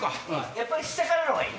やっぱり下からのがいい。